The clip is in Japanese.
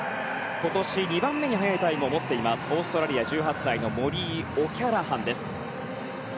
今年２番目に速いタイムを持っているオーストラリア、１８歳のモリー・オキャラハン。